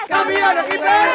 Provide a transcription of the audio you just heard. kami ada ips